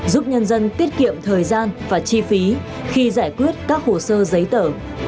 giúp nhân dân tiết kiệm thời gian và chi phí khi giải quyết các hồ sơ giấy tờ